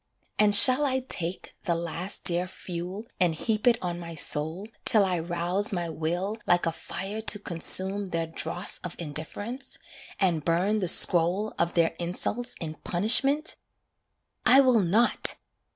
And shall I take The last dear fuel and heap it on my soul Till I rouse my will like a fire to consume Their dross of indifference, and burn the scroll Of their insults in punishment? I will not!